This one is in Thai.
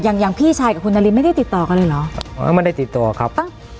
อย่างอย่างพี่ชายกับคุณนารินไม่ได้ติดต่อกันเลยเหรออ๋อไม่ได้ติดต่อครับตั้ง